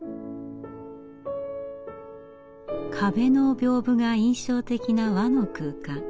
壁の屏風が印象的な和の空間。